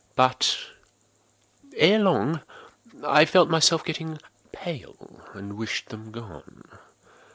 But, ere long, I felt myself getting pale and wished them gone.